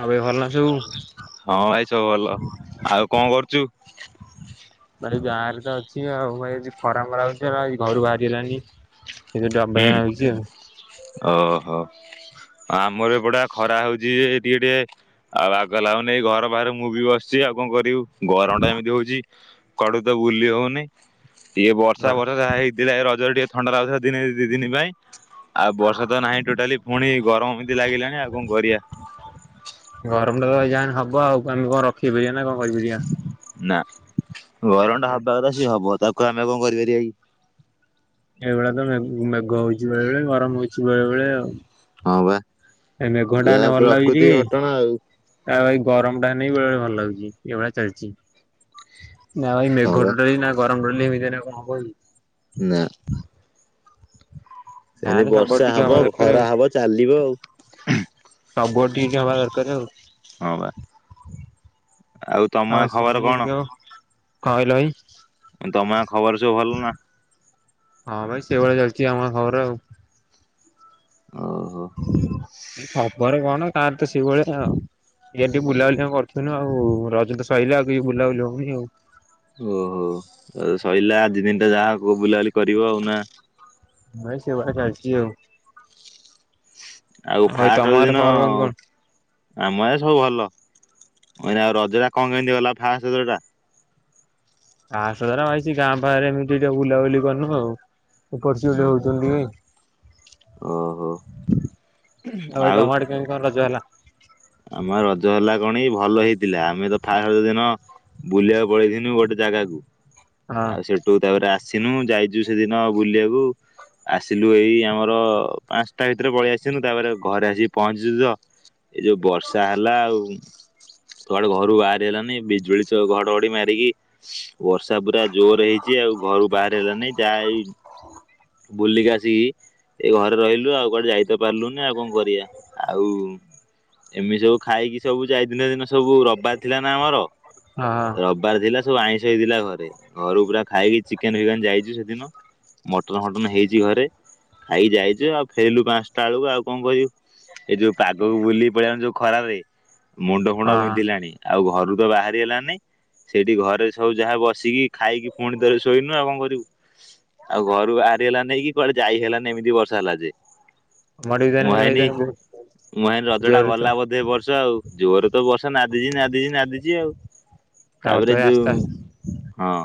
ଆଉ ଭାଇ ଭଲ ନା ସବୁ? ହଁ, ଭାଇ ସବୁ ଭଲ, ଆଉ କଣ, କରୁଛୁ? ଭାଇ, ଗାଁ ରେ ତ ଅଛି, ଆଉ ଭାଇ ଖରା ମରା ହଉଛି, ଘରୁ ବାହାରି ହେଲନି ୲ ଏ ଡବାଇ ଜଣ ହଉଛି ଆଉ [unintelligible] ହଁ, ଆମର ଏପଟା ଖରା, ହଉଛି ୲ ଯେ ଟିକେ, ଟିକେ ଆଉ ବାଗ ଲାଗୁନି, ଘର ବାହାରେ ମୁଁ ବି ବସିଛି ୲ ଆଉ କଣ, କରିବୁ? ଗରମ, ଟା ଏମିତି, ହଉଛି ୲ କୁଆଡୁ, ତ ବୁଲି, ହଉନି ୲ ଇଏ ବର୍ଷା, ବର୍ଷା ଯାହା ହେଇଥିଲା ୲ଏ ରଜରେ, ଟିକେ ଥଣ୍ଡା, ଲା ଦିନେ ଦି, ଦିନି ପାଇଁ ଆଉ ବର୍ଷା, ତ ନାହିଁ ଟୋଟାଲି ଫୁଣି, ଗରମ ଏମିତି ଲାଗିଲାଣି ୲ ଆଉ କଣ କରିବା? ଆମର ତ ଏ ଯା ହବ ଆଉ ଆମ କଣ ରଖିବିରି ନା କଣ [unintelligible] ଭ ବଢଆ ନା। [unintelligible] ଗରମ, ଟା ହବା କଥା, ସିଏ ହବ, ତା କ, ଆମେ କଣ, କରିପାରି ବା, କି? ଏଇଭଳିଆ, ତ ମେଘ ହଉଛି ବେଳେବେେଳେ, ଗରମ ହଉଛି ବେଳେବେଳେ, ଆଉ ହଁ, ବା ୲ ଏ, ମେଘୋ ଟା ହେଲେ, ଭଲ ଲାଗୁଛି ଟିକେ ୲ ଘଟଣା ଆଉ ଆ, ଭାଇ ଗରମ, ଟା ହେନେ ବି ବେଳେ, ବେଳେ ଭଲ ଲାଗୁଛି ୲ ଏଇଭଳିଆ ଚାଲିଛି ୲ ନା ଭାଇ, ମେଘ ହଁ ବା ଟୋଟାଲି, ନା ଗରମ ଟ ଏମିତି ହେଲେ କଣ, ହବ କି? ନା ୲ ସେମତି, ଯାହାହେନେ ସବୁଆଡେ ବର୍ଷା ଟିକେ ହବା ହବ, ଦରକାର ଖରା ଆଉ ହବ ଚାଲିବ ଆଉ ସବୁ ଆଡୁ, ଟିକେ ହବା ଦରକାର, ଆଉ ୲ ହ, ବା ୲ ଆଉ ତମ, ଗାଁ ଖବର ସେମିତି ଯଦି କଣ? କହିଲ, ଏଇ ତମା ଖବର ସବୁ, ଭଲ ନା? ହଁ, ଭାଇ ସେଇଭଳିଆ, ଚାଲିଛି ୲ଆମ ଗାଁ ଖବର, ଆଉ ୲ ଓହୋ ଖବର, କଣ? ତାର ତ ସେଇଭଳିଆ, ଆଉ ଇଆଡ଼େ ଟିକେ, ବୁଲାବୁଲି କରୁଥିଲୁ ୲ ଆଉ ରଜ ତ ସରିଲା ୲ ଆଉ ବୁଲାବୁଲି, ହଉନି ଆଉ ୲ ଓହୋ, ଆଉ ସରିଲା ୲ଆଜି ଦିନଟା ଯାହା, ହ ବୁଲାବୁଲି କରିବ, ଆଉ ନା ଭାଇ, ସେଇଭଳିଆ ଚାଲିଛି, ଆଉ ୲ ଆଉ, ଫାଷ୍ଟ ରଜ ଦିନ, ଆମ ଏ ସବୁ, ଭଲ ୲ ଆଉ ରଜଟା କଣ କେମିତି ଗଲା ଫାଷ୍ଟଜ ଟା ଆସଧର ଭାଇଛି ଗାଁ ପାଖରେ ଏମିତି ଟିକେ ବୁଲାବୁଲି କରନୁ ଆଉ ପଚି ଗୋଟେ ହଉଛନ୍ତି ଓହୋ ହ ଆଉ କମାଡ କେ କଣ ରଜ ହେଲା ଆମ ରଜ ହେଲା କଣ ଭଲ ହେଇଥିଲା ଆମେ ତ ଫାଷ୍ଟ ଦିନ ବୁଲିବାକୁ ପଳେଇଥିନୁ ଗୋଟେ ଜାଗାକୁ ହଁ ଆଉ ସେଠୁ ତାପରେ ଆସ ଆସିନୁ ଯାଇଛୁ ସେଦିନ ବୁଲିବାକୁ ଆସିଲୁ ଏଇ ଆମର ପାଞ୍ଚଟା ଭିତରେ ପଳେଇ ଆସିିନୁ ତାପରେ ଘରେ ଆସିକି ପହଞ୍ଚିଚୁ ତ ଏ ଯୋଉ ବର୍ଷା ହେଲା ଆଉ ସୁଆଡେ ଘରୁ ବାହାରି ହେଲାନି ବିଜୁଳି ଘଡଘଡି ମାରିକି ବର୍ଷା ପୁରା ଜୋର ହେଇଛି ଆଉ ଘରୁ ବାହାରି ହେଲାନି ଯାହା ଏଇ ବୁଲିକି ଆସିକି ଏ ଘରେ ରହିଲୁ ଆଉ କୁଆଡେ ଯାଇତ ପାରିଲୁନି ଆଉ କଣ କରିବା ଆଉ ଏମିତି ସବୁ ଖାଇକି ସବୁ ଯାଇ ଦିନ ଦିନ ସବୁ ରବିବାର ଥିଲା ନା ଆମର ହଁ ହଁ ହଁ। ରବିବାର ଥିଲା ସବୁ ଆଇ ସେଇଦଥିଲାା ଘରେ। ଘରୁ ପୁରା ଖାଇକି। ଚିକେନ୍ ଫିକେନ୍ ଯାଇଛି ସେଦିନ ମ ହଟନ ଘଟନ ହେଇଛି ଘରେ ଖାଇ ଯାଇଛ ଆଉ ଫେରିଲୁ ପାଞ୍ଚଟା ବେଳକୁ ଆଉ କଣ କହିବୁ ଏଇ ଯୋଉ ପାଗକୁ ବୁଲିି ପଳ ଯୋଉ ଖରାରେରେ ମୁଣ୍ଡ ଫୁଣ୍ଡ ଆମ ବିନ୍ଧିଲାଣି ଆଉ ଆଉ ଘରୁ ତ ବାହାରି ହେଲାନି ସେଇଠି ଘରେ ସବୁ ଯାହା ବସିକି ଖାଇକି ପୁଣିଥରେ ଶୋଇଲୁ ଆଉ କଣ କରିବୁ ଆଉ। ଘରୁ ବାହାରି ହେଲାନେଇ କି କୁଆଡେ ଯାଇ ହେଲାନି ଏମିତି ବର୍ଷା ହେଲା ଯେ। ଆଡେ ବି ତାହେଲେ ଭାଇ ତାହେଲେ ବହୁତ [inaudible] ରଜ ଟା ଜୋରରେ ତ ଗଲା ବୋଧେ ବର୍ଷ ଆଉ। ଜୋର। ତ ବର୍ଷା ନାଦିଛି ନାଦିଛି ନାଦିଛି ଆଉ ତ ତାପରେ ଭାଇ ଯୋଉ ଆସ୍ତେ ଆସ୍ତେ ହଁ।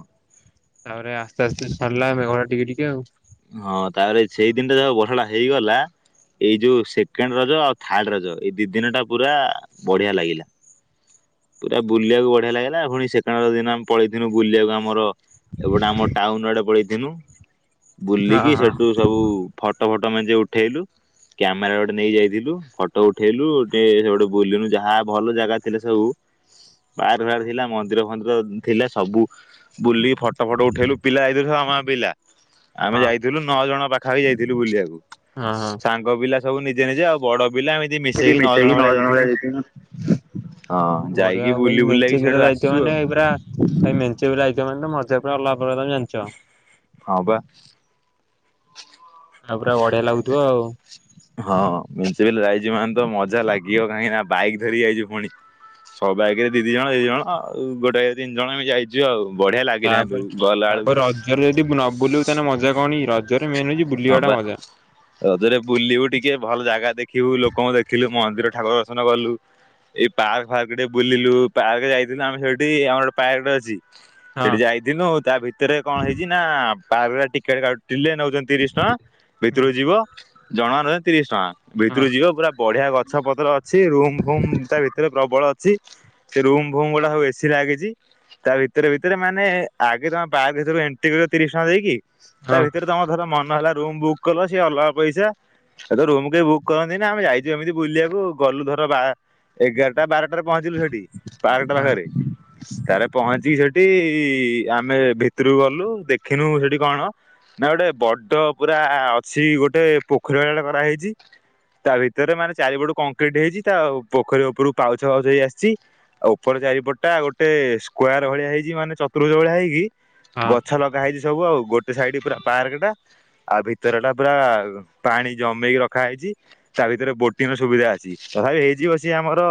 ତାପରେ ଆସ୍ତେ ଆସ୍ତେ ସରିଲା ମେଘ ଟା ଟିକେ ଟିକେ ଆଉ। ହଁ ତାପରେ ସେଇ ଦିନଟା ଯାହା ବର୍ଷାଟା ହେଇଗଲା ଏଇ ଯଉ ସେକେଣ୍ଡ ରଜ ଆଉ ଥାର୍ଡ ରଜ ଏଇ ଦିଇ ଦିନ ଟା ପୁରା ବଢିଆ ଲାଗିଲା ପୁରା ବୁଲିବାକୁ ବଢିଆ ଲାଗିଲା ପୁଣି ସେକେଣ୍ଡ ରଜ ଦିନ ଆମେ ପଳେଇଥିଲୁ ବୁଲିବାକୁ ଆମର। ଏପଟେ ଆମ ଟାଉନ ଆଡେ ପଳେଇ। [unintelligible] ହଁ ବୁଲିକି ହଁ ସେଠୁ ସବୁ ଫଟୋ ଫଟ। [inaudible] ଉଠେଇଲୁ କ୍ୟାମେରା ଗୋଟେ ନେଇ ଯାଇଥିଲୁ ଫଟୋ ଉଠେଇଲୁେ ସେ ଗୋଟେ ବୁଲିଲୁ ଯାହା ଭଲ ଜାଗା ଥିଲା ସବୁ [inaudible] ଥିଲା ମନ୍ଦିର ଫନ୍ଦିର ଥିଲା ସବୁ ବୁଲି। ଫଟୋ ଫଟ ଉଠେଇଲୁ। [inaudible] [unintelligible] ଆମେ ହଁ ଯାଇଥିଲୁ ନଅ ଜଣ ପା। [inaudible] ଯାଇଥିଲୁ ବୁଲିବାକୁ। ହଁ ହଁ। ସାଙ୍ଗ ପିଲା। ସବୁ ନିଜେ ନିଜେ ଆଉ ବଡ। [inaudible] ନଅ ଜଣ ଭଳିଆ ଯାଇଥିଲୁ। ହଁ ବଢିଆ ଯାଇକି ଭାଇ ବୁଲି ବୁଲାକି ମେଞ୍ଚେ ସିଆଡୁ ପିଲା ଯାଇଥିବ ଆସିଛୁ ଆଉ ମାନେ ପୁରା ମେଞ୍ଚେ ଯାଇଥିବ ମାନେ ତ ମ ଜା ପୁରା ଆଲଗା ପ୍ରକାର ତମେ ଜାନଚ। ହଁ ପା। ଆଉ ପୁରା ବଢିଆ ଲାଗୁଥିବ ଆଉ। [inaudible] ଯାଇଚି ମାନେ ତ ମଜା ଲାଗିବ କାହିଁକି ନା ବାଇକି ଧରି ଯାଇଚି ପୁଣି ସବ ବାଇକରେ ଦି ଜଣ ଦିଇ ଜଣ ଆଉ ଗୋଟାରେ ତିନି ଜଣ ଯାଇଚୁ ଆଉ। ବଢିଆ ଲାଗିଲା କିନ୍ତୁ ତାପରେ ଗଲା ତାପରେ ବେଳକୁ ରଜରେ ଯଦି ନ ବୁଲୁ ତାହେଲେ ମଜା କଣ କି? ରଜ। ହଁ ପା ରଜରେ ବୁଲିବୁ ଟିକେ ଭଲ ଜାଗା ଦେଖିବୁ ଲୋକଙ୍କୁ ଦେଖିଲୁ। ମନ୍ଦିର ଠାକୁର ଦର୍ଶନ କଲୁ ଏଇ ପାର୍କ ଫାର୍କ ଟିକେ ବୁଲିଲୁ ପାର୍କ ଯାଇଥିଲୁ ଆମେ ସେଇଠି ଆମର ଗୋଟେ ପାର୍କ ଟେ ଅଛି। ହଁ ସେଠି ଯାଇଥିଲୁ ତା ଭିତରେ କଣ ହେଇଚି ନା। ପାର୍କ ଟା ଟିକେଲ କାଟିଲେ ନେଉଚ ହଁ ହୁଁ ଭିତରକୁ ଯିବ ଜଣ ରେ ତିରିଶ ଟଙ୍କା। ହଁ ଭିତରୁ ଯିବ ପୁରା ବଢିଆ ଗଛ ପତ୍ର ଅଛି ରୁମ ଫୁମ ତା ଭିତରେ ପ୍ରବଳ । ଛି ସେ ରୁମ ଫୁମ ଗୁଡା ସବୁ ଏସି ଲାଗିଚି ତା ଭିତରେ ଭିତରେ ମାନେ ଆଗେ ତମେ ପାର୍କ ଭିତକୁ ଏଣ୍ଟ୍ରି କରିବ ତିରିଶ ଟଙ୍କା ଦେଇକି। ତା ହଁ ଭିତରେ ତମ ଧର ମ ହେଲା ରୁମ୍ ବୁକ୍ କଲ ସିଏ ଅଲଗା ପଇସା ସେ ତ ରୁମ କେହି ବୁକ୍ କରନ୍ତି ନା ଆମେ ଯାଇଚୁ ଏମିତି ବୁଲିବାକୁ ଗଲୁ ଧର ବା ଏଗାରଟା ବାରଟା। ଟାରେ ରେ ପହଞ୍ଚିଲୁ ସେଠି ବାରଟା ହଁ ପାଖରେ। କାରେ ପହଞ୍ଚିକି ସେଠି ଆମେ ଭିତରକୁ ଗଲୁ ଦେଖିନୁ ସେଠି କଣ ନା ଗୋଟେ ବ ଡ ପୁରା ଅଛି ଗୋଟେ ପୋଖରୀ ଭଳିଆଟେ କରାହେଇଚି ତା ଭିତରେ ମାନେ ଚାରିପଟୁ କଂକ୍ରିଟ ହେଇଛି ତା ପୋଖରୀ ଉପରକୁ ପାଉଛ ପାଉଛ ହେଇ ଆସିଛି ଆଉ ଉପର ଚାରିପଟା ଗୋଟେ ସ୍କ୍ୱାର ଭଳିଆ ହେଇଛି ମାନେ ଚତୁଭୁର୍ ଭଳିଆ ହେଇକି ହଁ ଗଛ ଲଗା ହେଇ ସବୁ ଆଉ ଗୋଟେ ସାଇଡ ପୁରା ପାର୍କ ଟା। ଆଉ ଭିତର ଟା ପୁରା ପାଣି ଜମେଇଇକି ରଖା ହେଇଚି ତା ଭିତରେ ବୋଟିଂ ର ସୁବିଧା ଅଛି। ତଥାପି ହେଇଛି ବସି ଆମର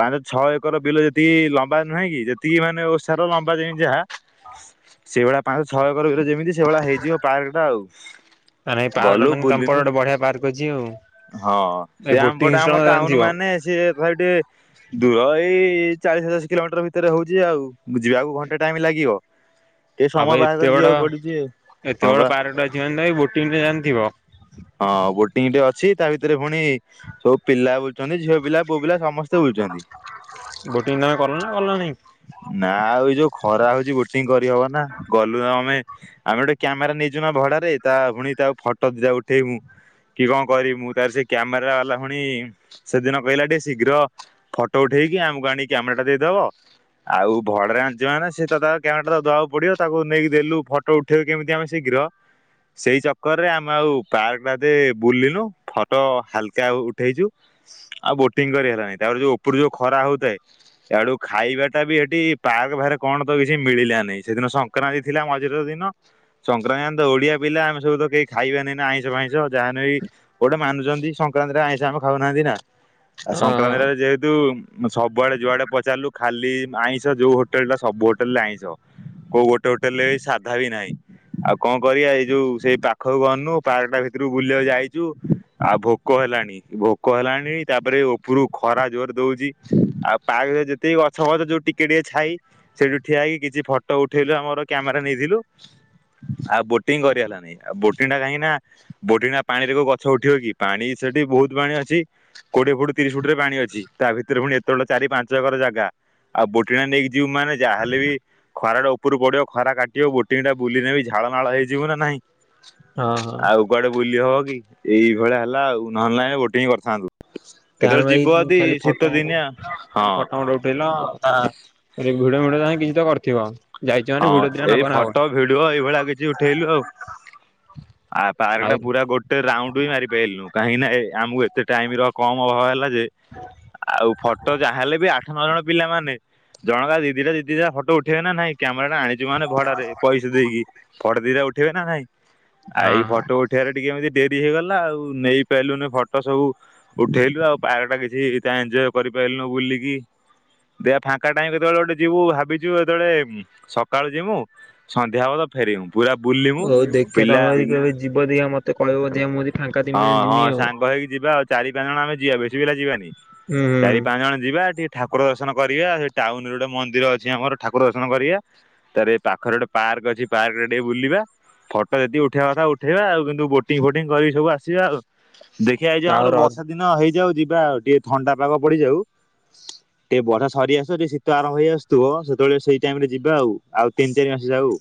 ପାଞ୍ଚ ଛଅ ଏକର ବିଲ ଯେତିକି ଲମ୍ବା ନୁହେଁ କି ଯେତିକି ମାନେ ଓସାର ଲମ୍ବା ଯେମିତି ଯାହା। ସେଇଭଳିଆ ପାଞ୍ଚ ଛଅ କରର ଯେମିତି ସେଇଭଳିଆ ହେଇଯିବ ପାର୍ ଆଉ ତାହେଲେ ଏଇ ପାର୍କଟା ଗଲୁ ମାନେ ତମ ବୁଲି ପଟେ ନୁ ଗୋଟେ ବଢିଆ ପାର୍କ ଅଛି ଆଉ। ହଁ ଭାଇ ସଏ ବୋଟିଂ ଆମପଟେ ସିଷ୍ଟମ ଆମ ଟାଉନ ଜାଣିଥିବ ମାନେ ସିଏ [unintelligible] ଦୂର ଏଇ ଚାଳିଶ ପଚାଶ କିଲୋମିଟର ଭିତରେ ହଉଚି ଆଉ। ମୁଁ ଯିବାକୁ ଘଣ୍ଟେ ଟାଇମ୍ ଲାଗିବ। ଟିକେ ଆଉ ସମୟ ଭାଇ ବାହାଘର ଯିବାକୁ ପଡୁଚି ଆଉ ହଁ ବା। ର୍କ ଟା ଅଛି ମାନେ ଭାଇ ବୋଟିଂ ଯାହା ହେନେ ଥିବ। ଟିଙ୍ଗ ଟେ ଅଛି ତା ଭିତରେ ପୁଣି ସବୁ ପିଲା ବୁ ଚନ୍ତି ଝିଅ ପିଲା ପୁଅ ପିଲା ସମ ସ୍ତେ ବୁଲଚନ୍ତି ବୋଟିଂ ତମେ କଲ ନା କଲ ନାହିଁ? ନା ଆଉ ଏ ଯୋଉ ଖରା ହଉଚି ଗୋଟିଏ କ ହବ ନା ଗଲୁ ଆ ଆମେ- ଆମେ ଗୋଟେ କ୍ୟାମେରା ନେଇଛ ଭଡାରେ ତା ପୁଣି ତାକୁ ଫଟ ଦିଦ ଉଠେଇବୁ କି କଣ କରିବମୁ ତାାର ସେ କ୍ୟାମେରା ବାଲା ଭୁଣି ସେଦିନ କହିଲା ଟିକେ ଶୀଘ୍ର ଫଟୋ ଉଠେଇକି ଆମକୁ ଆଣିକି କ୍ୟାମେରା ଟା ଦେଇଦବ ଆଉ ଭଡାରେ ଆଣିିବ ମାନ ସେ ତା କ୍ୟାମେରା ତା ଦବାକୁ ପଡିବ ତାକୁ ନେଇକି ଦେଲୁ ଫଟୋ ଉଠେଇବୁ କେମିତି ଆମେ ଶୀଘ୍ର ସେଇ ଚକରରେ ଆମେ ଆଉ ପାର୍କ ଟା ବୁଲିଲୁ ଫଟୋ ହାଲକା ଉଠେଇଛୁ ଆଉ ବୋଟିଂ କରି ହେଲାନି ତାପରେ ଯୋଉ ଉପରୁ ଯୋଉ ଖରା ହଉଥାଏ ସେଡୁ ଖାଇବା ଟା ବି ସେଠି ପାର୍କ ବାହାରେ କଣ ତ କିଛି ମିଳିଲାନହି ସେଦିନ ସଂକ୍ରାନ୍ତି ଥିଲା ମଝି ଦିନ ସଂକ୍ରାନ୍ତି ତ ଓଡିଆ ପିଲା ଆମେ ସବୁ ତ କେହି ଖାଇବାାନି ନା ଆଇଁଷ ଫାଇଁସ ଯାହା ନେ ଗୋଟେ ମାନୁଛନ୍ତି ସଂକ୍ରାନ୍ତିରେ ଆଇଁଷ ଆମେ ଖାଉନାହାନ୍ତି ନା ଆଉ ହଁ ସଂକ୍ରାନ୍ତି ଟା ହଁ ଯେହେତୁ ସବୁଆଡେ ଯୁଆଡେ ପଚାରିଲୁ ଖାଲି ଆଇଁଷ ଯୋଉ ହୋଟେଲ ଟା ସବୁ ହୋଟେଲ ରେ ଆଇଁସ କୋଉ ଗୋଟେ ହୋଟେଲ ରେ ସାଧା ବି ନାହିଁ ଆଉ କଣ କରିବା ଏଇ ଯୋଉ ସେଇ ପାଖକୁ ଗନୁ ପାର୍କ ଟା ଭିତରକୁ ବୁଲିବାକୁ ଯାଇଛୁ ଆଉ ଭୋକ ହେଲାଣି ଭୋକ ହେଲାଣି ତାପରେ ଉପରୁ ଖରା ଜୋର ଦଉଛି ଆଉ ପାର୍କ ଯେତିକି ଗଛ ଗଛ ଯୋଉ ଟିକେ ଟିକେ ଛାଇ ସେଇଠୁ ଠିଆ ହେକି କିଛି ଫଟୋ ଉଠେଇଲୁ ଆମର କ୍ୟାମେରା ନେଇଥିଲୁ। ଆଉ ବୋଟିଂ କରି ହେଲାାନି ଆଉ ବୋଟିଂ ଟା କାହିଁକି ନା ବୋଟିଂ ଟା ପାଣିରେ କୋଉ ଗଛ ଉଠିବ କି ପାଣି ସେଠି ବହୁତ ପାଣି ଅଛି କୋଡିଏ ଫୁଟ ତିରିଶ ଫୁଟ ରେ ପାଣି ଅଛି ତା ଭିତରେ ପୁଣି ଏତେବେଳେ ଚାରି ପାଞ୍ଚ ଏକର ଜାଗା ଆଉ ବୋଟିଂ ଟା ନେଇକି ଯିବୁ ମାନେ ଯାହାେଲେ ବି ଖରା ଟା ଉପରୁ ପଡିବ ଖରା କାଟିବ ବୋଟିଂ ଟା ବୁଲି ନେବ ଝଳ ନାଳ ହେଇଯିବୁ ନାାଇଁ। ହଁ ହଁ ଆଉ କୁଆଡେ ବୁଲି ହବ କି? ଏଇଭଳି ହେଲା ଆଉ ନହେଲାଇ ବୋଟିଂ କରିଥାନ୍ତୁ। ତାର କେତେବେଳେ ଭାଇ ଯିବ ଯଦି ଖାଲି ଶୀତ ଫଟୋ ଉଠେଇ ଦିନିଆ। ହଁ ଖାଲି ଫଟୋ ଫଟ ଉଠେଇଲ। ଭିଡ ଭିଡ ଯଁ କିଛି ତ କରିଥିବ। ଯାଇଛ ମାନେ ହଁ ଭିଡିଓ ଦିଟା ଏଇ ନକଲେ ହବନି ଫଟୋ ଭିଡିଓ ଏଇଭଳିଆ କିଛି ଉଠେଇଲୁ ଆଉ ଆ ପାର୍କ ଆଉ ଟା ପୁରା ଗୋଟେ ରାଉଣ୍ଡ ବି ମାରିପଲୁ କାହିଁକି ନା ଏ ଆମକୁ ଏତେ ଟାଇମ ର କମ ଅଭାବ ହେଲା। ଆଉ ଫଟୋ ଯାହା ହେଲେ ବି ଆଠ ନଅ ଜଣ ପିଲାମାନେେ ଜଣଙ୍କ ଦିଦିଟା ଦିଦିା ଫଟୋ ଉଠେଇବେ ନା ନାଇଁ କ୍ୟାମେରା ଟା ଆଣିଛୁ ମାନେ ଭଡାରେ ପଇସା ଫଟ ଦିଟା ଉଠେଇକି ଦେବେ ନା ନାଇଁ ଆଉ ହଁ ଏଇ ହଁ। ଫଟୋ ଉଠେବାରେ ଟିକେ ଏମିତି ଡେରି ହେଇଗଲା ଆଉ ନେଇପାରିଲୁନି ଫଟୋ ସବୁ ଉଠେଇଲୁ ଆଉ ପାର୍କ ଟା କିଛି ତା ଏଞଜୟ କରିପାରିଲୁନୁ ବୁଲିକି ଦେ ଫାଙ୍କା ଟାଇ କେତେବେଳେ ଗୋଟେ ଯିବୁ ଭାବିଛୁ ଯେତେବେଳେ ସକାଳୁ ଜୀମୁ ସନ୍ଧ୍ୟା ବେଳେ ଫେରିିବୁ। ହଉ ଦେଖିବା ତମେ ଯଦି କେବେ ଯିବ ଦେଖିଆ ମତେ କହିବ ଦେଖିଆ ମୁଁ ଯଦି ଫାଙ୍କା ଥିମି ହଁ ତାହେଲେ ଯିମି ହଁ ଆଉ। ସାଙ୍ଗ ହେଇକି ଯିବା ଆଉ, ଚାରି ପାଞ୍ଚ ଜଣ ଆମେ ଯିବା ବେଶୀ ପିଲା ଯିବାନି। ହୁଁ ହୁଁ ଚାରି ପାଞ୍ଚ ଜଣ ଯିବା ଟିକେ, ଠାକୁର ଦର୍ଶନ କରିବା ସେ ଟାଉନ ରେ ଗୋଟେ ମନ୍ଦିର ଅଛି ଆମର ଠାକୁର ଦର୍ଶନ କରିବା ତାରେ ପାଖରେ ଗୋଟେ ପାର୍କ ଅଛି ପାର୍କ ରେ ଟିକେ ବୁଲିବା ଫଟୋ ଯଦକି ଉଠେଇବା କଥା ଉଠେଇବା ଆଉ କିନ୍ତୁ ବୋଟିଂ ଫୋଟିଂ କରିବି ସବୁ ଆସ ଜିଆ ଆଉ ଦେଖିଆ ଏଇଯଉ ଆଉ ଆମର ର ବର୍ଷା ଦିନ ହେଇଯାଉଛି। ଯିବା ଆଉ ଟିକେ ଥଣ୍ଡା ପାଗ ପଡିଯାଉ ଟିକେ ବର୍ଷା ସରି ଆସ ଟିକେ ଶୀତ ଆରମ୍ଭ ହେଇ ଆସୁଥିବ ସେତେବେଳେ ସେଇ ଟାଇମରେ ଯିବା ଆଉ ଆଉ ତିନି ଚାରି ମାସ ଯାଉ।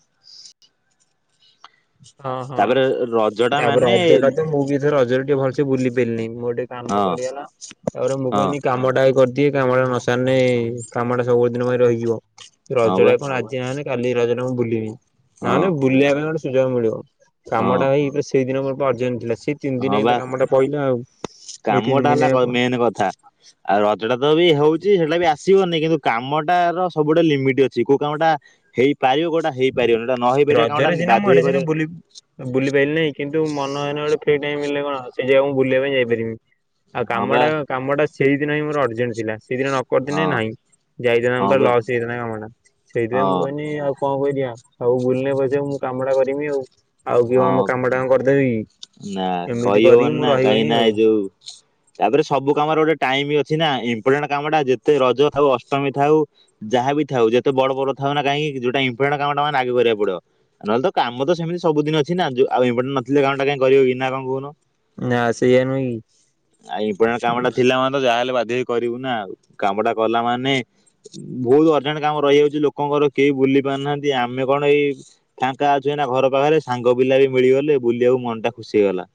ହଁ ହଁ। ତାପରେ ରଜ ଟା ମାନେ ସେ ରଜ ଟିକେ ଭଲେ ବୁଲି ପାରିଲିନି [unintelligible] କାମ ହଁ ପଡିଗଲା ତାପରେ ମୁଁ ହଁ କହିଲି କାମ ଟା ଆଗେ କରିି ଯିଏ କାମ ଟା ନ ସାରିନେ କାମ ଟା ସବୁ ଦିନ ପାଇଁ ରହିଯିବ। ରଜ ହଁ ବା ରେ କଣ ଆଜି [unintelligible] କାଲି ରଜରେ ମୁଁ ବୁଲିବି। ହଁ ନହନେ ବୁଲିବାର ଗୋଟେ ସ ସିଏ ମିଳିବ କାମ ହଁ ଟା ହେଇ ପୁରା ସି ସେଇ ଦିନ ମୋର ତ ଅର୍ଜେଣ୍ଟ ଥିଲା ସି ହଁ ବା ଏଇ ତିନି କାମଟା ଦିନ ହେଲା କ-ମେନ୍ କଥା, ଆଉ ରଜଟା ତ ବି ହଉଚି ସେଟା ବି ଆସିବନି କିନ୍ତୁ କାମଟା ର ସବୁଟା ଲିମିଟି ଅଛି, କୋଉ କାମଟା ହେଇ ରଜର ସିନା ମୁଁ ବାଧ୍ୟ ଏଣେ ହେଇ ସେଣେ କରିବ ବୁଲି ଏ ବୁଲି ପାଇଲି ନାହିଁ, କିନ୍ତୁ ମନ ଏଇନା ଗୋଟେ ସେଇ ଟାଇମ୍ ହେଲେ କଣ ସେଇ ଜାଗାକୁ ମୁଁ ବୁଲିବା ପାଇଁ ଯାଇପାରିବି। ଆଉ ହଁ ବା କାମଟା କାମଟା ସେଇଦିନ ହିଁ ମୋର ଅରଜେଣ୍ଟ ଥିଲା। ସେଇଦିନ ନ କରିଥିନି ହଁ ନାହିଁ, ହଁ ଯାଇଥାନ୍ତା ବା ଲସ୍ ହେଇଥାନ୍ତା କାମଟା, ସେଇଥିପାଇଁ ମୁଁ ହଁ କହନି ଆଉ କେଇଟି ଯିବା ଆଉ ବୁଲିଲେ ପଛେ ମୁଁ କାମ ଟା କରମି ଆଉ। ଆଉ କିଏ ହଁ ଆମ କାମ ଟା ଆମ କରିଦେବେକି। ନା କହିହବନି ନା କାହିଁକି ନା ଏଇ ଯୋଉ ତାପରେ ସବୁ କାମରେ ଗୋଟେ ଟାଇମ ଇଏ ଅଛି ନା ଇମ୍ପୋଟାଣ୍ଟ କାମଟା ଯେତେ ରଜ ଥାଉ ଅଷ୍ଟମୀ ଥାଉ ଯାହା ବି ଥାଉ ଯେତେ ବଡ ବଡ ଥାଉ ନା କାହିଁକି ଯୋଉଟା ଇମ୍ପୋଟାଣ୍ଟ କାମଟା ମାନେ ଆଗେ କରିବାକୁ ପଡିବ। ନହେଲେ ତ କାମ ତ ସେମତି ସବୁଦିନ ଅଛି ନା ଯୋଉ ଆଉ ଇମ୍ପୋଟାଣ୍ଟ ନଥିଲେ କାମଟା କାଇଁ କରିବକି [unintelligible] କହୁନ। ନା ସେଇଆ ନୁହେଁ କି। ଆ ଇମ୍ପୋଟାଣ୍ଟ କାମ ଟା ଥିଲା ମାନେ ତ ଯାହା ହେଲେ ବା ଦେ କରିବୁ ନା ଆଉ କାମଟା କଲା ମାନେ ବହୁତ ଅର୍ଜେଣ୍ଟ କାମ ରହିଯାଉଚି ଲୋକଙ୍କର କେହି ବୁଲି ପାରୁନାହାନ୍ତି, ଆମେ କଣ ଏଇ ଫାଙ୍କା ଅଛୁ ଏଇନା ଘର ପାଖରେ ସାଙ୍ଗ ପିଲା ବି ମିଳିଗଲେ ବୁଲିବାକୁ ମନଟା ଖୁସି ହେଇଗଲା,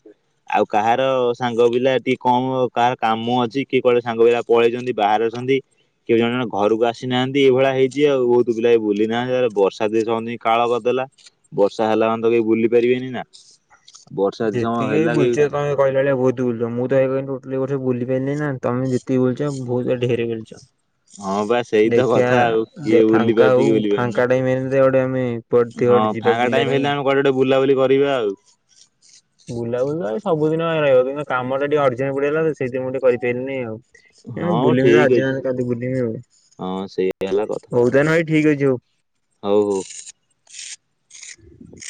ଆଉ କାହାର ସାଙ୍ଗ ପିଲା ଟିକେ କମ କାହାର କାମ ଅଛି କି କୁଆଡେ ସାଙ୍ଗ ପିଲା ପଳେଇଚନ୍ତି ବାହାରେ ଅଛନ୍ତି। କିଏ ଜଣେ ଜଣେ ଘରକୁ ଆସିନାହାନ୍ତି, ଏଇଭଳିଆ ହେଇଚି ଆଉ, ବହୁତ ପିଲା ଏ ବୁଲି ନାହାନ୍ତି, ଆରେ ବର୍ଷା [unintelligible] କାଳ କରିଦେଲା। ବର୍ଷା ହେଲା ମାନେ ତ କେହି ବୁଲି ପାରିବେନି ନା। ବର୍ଷା ଯଦି ସମୟ ଯେତିକି ଭାଇ ହେଲା କି ବୁଲଚେ ତୋମେ କହିଲ ଭଳିଆ ବହୁତ ବୁଲିଲୁ, ମୁଁ ତ ଏଇ ପାଇଁ କହୁଥିଲି [unintelligible] ଯୋଉ ବୁଲି ପାରିଲି ନା, ତୌମେ ଯେତିକି ବୁଲଚ ବହୁତ ଆଉ ଢେର ବୁଲିଛ। ହଁ ବା ସେଇ ତ କଥା ଆଉ କିଏ ବୁଲି ପାରୁଚି କିଏ ବୁଲି ପାରୁନି। ସେ ଗୋଟେ ମେ ହଁ ଫାଙ୍କା ଟାଇମ୍ ହେଲେ ଆମେ କୁଆଡେ ଗୋଟେ ବୁଲାବୁଲି କରିବା ଆଉ। ବୁଲାବୁଲି ଆଉ ସବୁଦିନ ପାଇଁ ରହିବ କିନ୍ତୁ କାମ ଟିକେ ଅର୍ଜେଣ୍ଟ ପଡିଗଲା ତ ସେଇଥିପାଇଁ ମୁଁ ଟିକେ କରିପାରିଲିନି ଆଉ। ଏ ମୁଁ ହଁ ବୁଲିମି ତ ଠିକ ଆଜି ଅଛି ନହେଲେ କାଲି ବୁଲିମି ଆଉ, ହଁ ସେଇଆ ହେଲା କଥା ହଉ ତାନେ ଭାଇ ଠିକ ଅଛି ହଉ। ହଉ ହଉ। [unintelligible]